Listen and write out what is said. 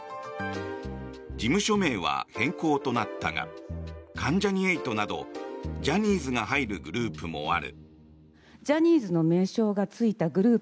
事務所名は変更となったが関ジャニ∞などのジャニーズが入るグループもある。